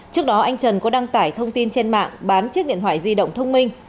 trước đó anh trần có đăng tải thông tin trên mạng bán chiếc điện thoại di động thông minh